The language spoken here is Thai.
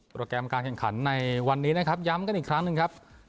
แกรมการแข่งขันในวันนี้นะครับย้ำกันอีกครั้งหนึ่งครับ